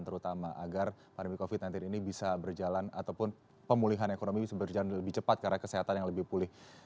terutama agar pandemi covid sembilan belas ini bisa berjalan ataupun pemulihan ekonomi bisa berjalan lebih cepat karena kesehatan yang lebih pulih